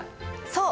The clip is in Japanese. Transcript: そう！